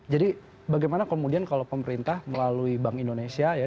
jadi bagaimana kemudian kalau pemerintah melalui bank indonesia ya